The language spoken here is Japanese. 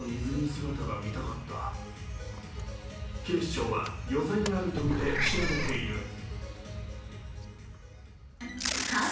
警視庁は余罪があるとみて調べている。